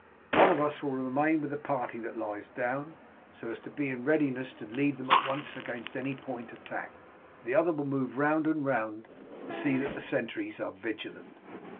One of us will remain with the party that lies down, so as to be in readiness to lead them at once against any point attacked, the other will move round and round to see that the sentries are vigilant."